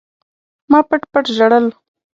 ما پټ پټ ژړل.